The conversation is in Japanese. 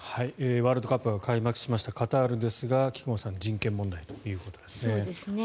ワールドカップが開幕しましたカタールですが菊間さん人権問題ということですね。